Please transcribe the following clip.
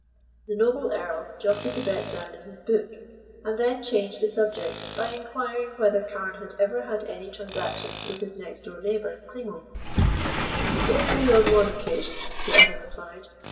The noble Earl jotted the bet down in his book, and then changed the subject by inquiring whether Carne had ever had any transactions with his next door neighbor, Klimo. "Only on one occasion," the other replied.